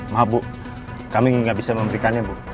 maaf bu kami nggak bisa memberikannya bu